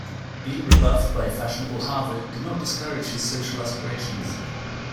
Being rebuffed by fashionable Harvard did not discourage his social aspirations.